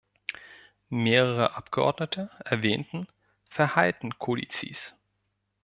Mehrere Abgeordnete erwähnten Verhaltenkodizes.